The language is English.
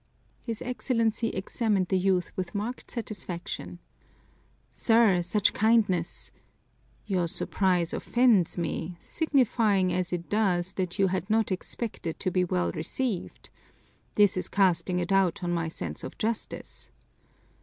His Excellency examined the youth with marked satisfaction. "Sir, such kindness " "Your surprise offends me, signifying as it does that you had not expected to be well received. That is casting a doubt on my sense of justice!"